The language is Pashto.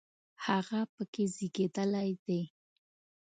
هغه په کې زیږېدلی دی.